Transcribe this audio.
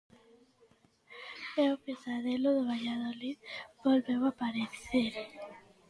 E o pesadelo do Valladolid volveu aparecer.